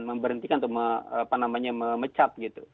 memberhentikan atau apa namanya memecap gitu